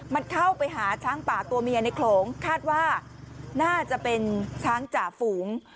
มันเข้าไปหาช้างป่าตัวเมียในโขลงคาดว่าน่าจะเป็นช้างจ่าฝูง